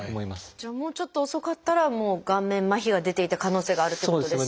じゃあもうちょっと遅かったらもう顔面麻痺が出ていた可能性があるってことですよね。